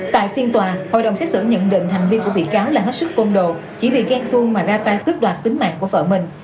tại phiên tòa hội đồng xác xử nhận định hành vi của bị cáo là hết sức công đồ chỉ vì ghen tuôn mà ra tay cước đoạt tính mạng của vợ mình